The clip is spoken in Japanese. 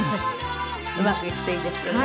うまくいくといいですよね。